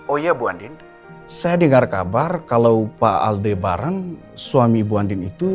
oh iya bu andin saya dengar kabar kalau pak aldi bareng suami ibu andin itu